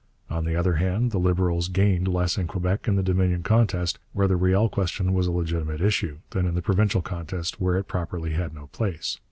On the other hand, the Liberals gained less in Quebec in the Dominion contest, where the Riel question was a legitimate issue, than in the provincial contest, where it properly had no place.